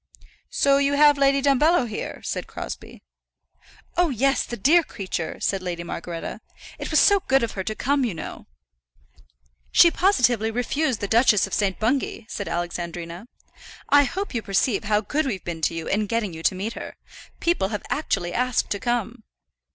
"So you have Lady Dumbello here?" said Crosbie. "Oh, yes; the dear creature!" said Lady Margaretta. "It was so good of her to come, you know." "She positively refused the Duchess of St. Bungay," said Alexandrina. "I hope you perceive how good we've been to you in getting you to meet her. People have actually asked to come."